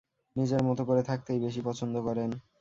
নিজের মতো করে থাকতেই বেশি পছন্দ করেন।